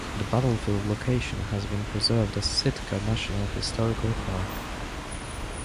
The battlefield location has been preserved at Sitka National Historical Park.